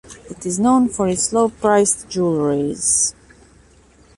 It is known for its low-priced jewelries.